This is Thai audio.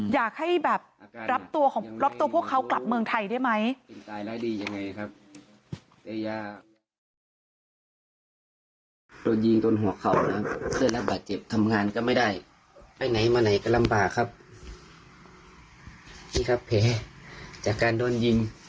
อยากให้รับตัวพวกเขากลับเมืองไทยได้มั้ย